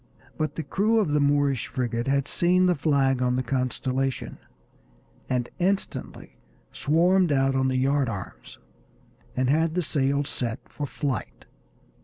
But the crew of the Moorish frigate had seen the flag on the Constellation, and instantly swarmed out on the yard arms, and had the sails set for flight.